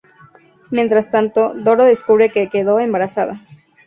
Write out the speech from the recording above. Mientras tanto, Doro descubre que quedó embarazada.